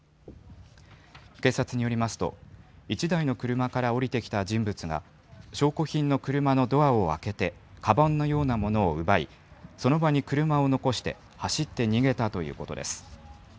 警察によりますと、１台の車から降りてきた人物が、証拠品の車のドアを開けて、かばんのようなものを奪い、その場に車を残して走って逃げたということです。